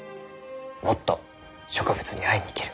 もっと植物に会いに行ける。